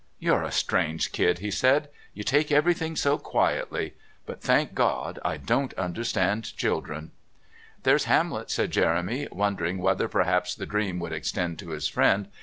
"You're a strange kid," he said; "you take everything so quietly but, thank God, I don't understand children." "There's Hamlet," said Jeremy, wondering whether perhaps the dream would extend to his friend.